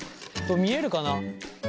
見えるかな？